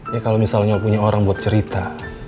ya kalo misalnya lo punya orang buat cerita